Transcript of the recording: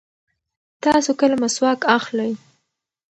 تاسو کله مسواک اخلئ؟